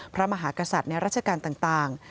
พระมหากษัตริย์ในราชการต่าง